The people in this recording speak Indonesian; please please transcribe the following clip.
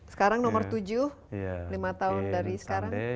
sekarang nomor tujuh lima tahun dari sekarang